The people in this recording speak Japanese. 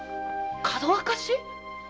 「かどわかし」？